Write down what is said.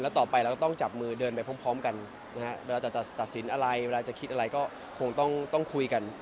ต่อไปเราก็ต้องจับมือเดินไปพร้อมกันนะฮะเวลาจะตัดสินอะไรเวลาจะคิดอะไรก็คงต้องคุยกัน